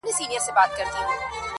شراب مسجد کي، ميکده کي عبادت کومه